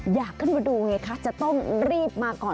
อยากขึ้นมาดูไงคะจะต้องรีบมาก่อน